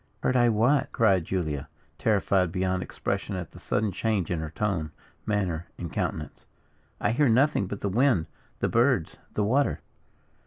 "Heard I what?" cried Julia, terrified beyond expression at the sudden change in her tone, manner, and countenance; "I hear nothing but the wind, the birds, the water!"